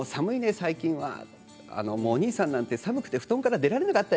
最近は、と言っておにいさんなんて寒くて布団から出られなかったよ